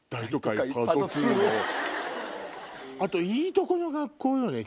あといいとこの学校よね。